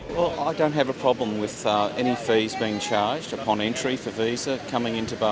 pembayaran penghutan yang kita panggil yang berharga yang cukup